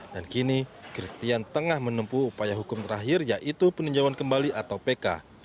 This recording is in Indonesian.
dan kini christian tengah menempuh upaya hukum terakhir yaitu peninjauan kembali atau pk